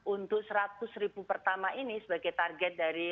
untuk rp seratus pertama ini sebagai target dari